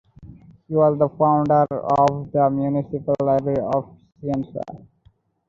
She was the founder of the Municipal Library of Cuenca.